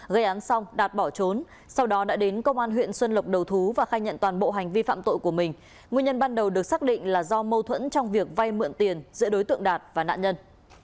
gây án xong đạt bỏ trốn sau đó đã đến công an huyện xuân lộc đầu thú và khai nhận toàn bộ hành vi phạm tội của mình nguyên nhân ban đầu được xác định là do mâu thuẫn trong việc vay mượn tiền giữa đối tượng đạt và nạn nhân